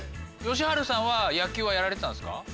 禎春さんは野球はやられてたんですか？